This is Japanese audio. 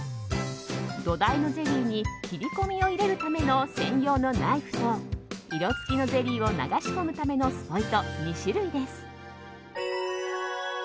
土台のゼリーに切り込みを入れるための専用のナイフと色付きのゼリーを流し込むためのスポイト２種類です。